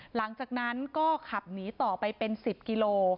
หลังจากนั้นก็ขับหนีต่อไปเป็น๑๐กิโล